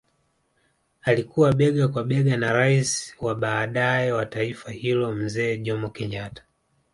Alikuwa bega kwa bega na rais wa baadae wa taifa hilo mzee Jomo Kenyatta